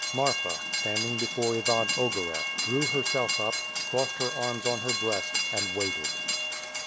Marfa, standing before Ivan Ogareff, drew herself up, crossed her arms on her breast, and waited.